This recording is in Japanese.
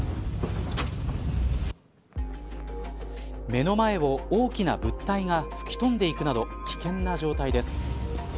目の前を大きな物体が吹き飛んでいくなど危険な状態です。